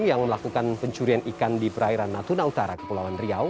yang melakukan pencurian ikan di perairan natuna utara kepulauan riau